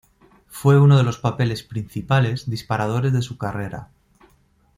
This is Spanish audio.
Fue uno de los papeles principales disparadores de su carrera.